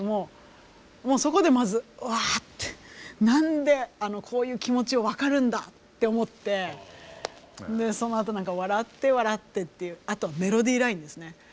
もうそこでまずうわって何でこういう気持ちを分かるんだって思ってそのあと「笑って笑って」っていうあとメロディーラインですね。